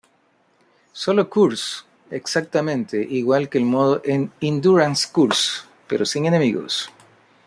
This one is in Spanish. Solo Course: exactamente igual que el modo "Endurance Course", pero sin enemigos.